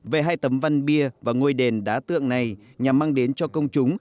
về hai tấm văn bia và ngôi đền đá tượng này nhằm mang đến cho công chúng